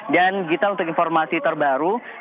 dan kita untuk informasi terbaru